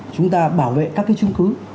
chúng ta bảo vệ các cái chứng cứ